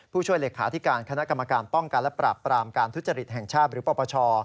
ผู้ช่วยเลขาธิการคณะกรรมการป้องกันและปราบปรามการทุจริตแห่งชาติหรือปปช